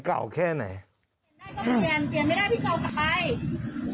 เปลี่ยนได้ก็เปลี่ยนเปลี่ยนไม่ได้พี่เก่ากับใคร